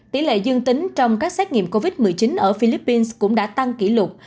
tỷ lệ dương tính trong các xét nghiệm covid một mươi chín ở philippines cũng đã tăng kỷ lục